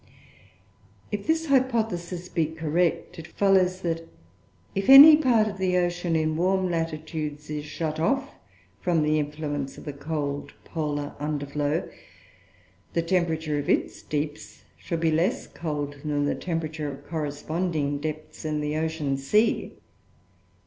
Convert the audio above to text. If this hypothesis be correct, it follows that, if any part of the ocean in warm latitudes is shut off from the influence of the cold polar underflow, the temperature of its deeps should be less cold than the temperature of corresponding depths in the open sea.